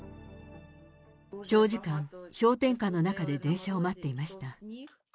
長時間氷点下の中で電車を待っていました。